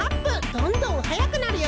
どんどんはやくなるよ！